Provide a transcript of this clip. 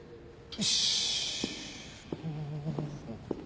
よし。